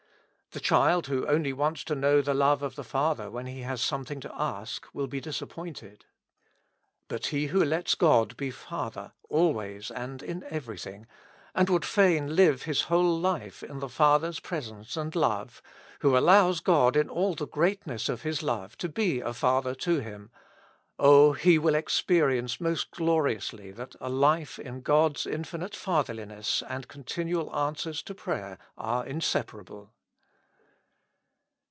The child who only wants to know the love of the father when he has something to ask, will be disap pointed. But he who lets God be Father always and in everything, who would fain live his whole life in the Father's presence and love, who allows God in all the greatness of His love to be a Father to him, oh ! he will experience most gloriously that a life in God's infinite Fatherliness and continual answers to prayer are inseparable.